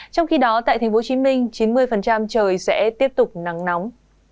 trong khi đó tại tp hcm chín mươi trời sẽ tiếp tục nắng nóng